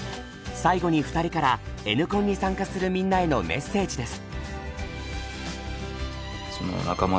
最後に２人からＮコンに参加するみんなへのメッセージです。